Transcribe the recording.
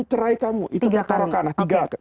cerai kamu itu berarti rokanah